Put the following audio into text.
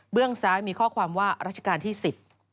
ซ้ายมีข้อความว่ารัชกาลที่สิบ